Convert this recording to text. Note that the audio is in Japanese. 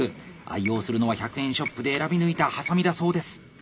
愛用するのは１００円ショップで選び抜いたはさみだそうです。